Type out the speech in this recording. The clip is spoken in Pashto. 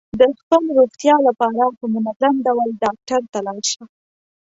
د خپل روغتیا لپاره په منظم ډول ډاکټر ته لاړ شه.